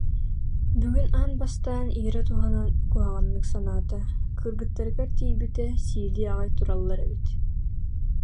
бүгүн аан бастаан Ира туһунан куһаҕаннык санаата, кыргыттарыгар тиийбитэ сиилии аҕай тураллар эбит: